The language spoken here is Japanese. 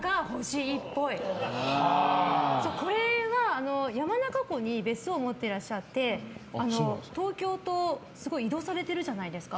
これは山中湖に別荘を持ってらっしゃって東京とすごい移動されてるじゃないですか。